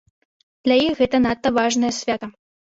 Для іх гэта надта важнае свята.